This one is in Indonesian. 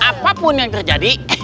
apapun yang terjadi